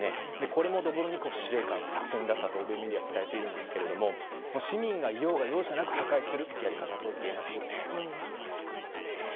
これもドボルニコフ司令官の作戦だったと欧米メディアは伝えているんですが市民がいようが容赦なく破壊するやり方といえますよね。